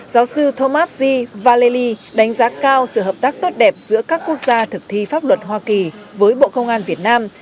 giáo sư thomas g vallely đánh giá cao sự hợp tác tốt đẹp giữa các quốc gia thực thi pháp luật hoa kỳ với bộ công an việt nam